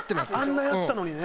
あんなやったのにね。